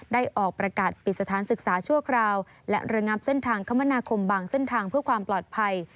ออกประกาศปิดสถานศึกษาชั่วคราวและระงับเส้นทางคมนาคมบางเส้นทางเพื่อความปลอดภัย